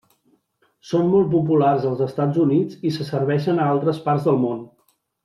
Són molt populars als Estats Units i se serveixen a altres parts del món.